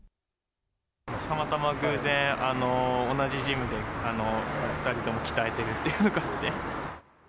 たまたま偶然、同じジムで、２人とも鍛えてるっていうのがあって。